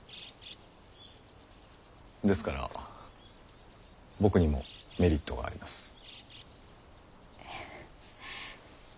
ですから僕にもメリットがあります。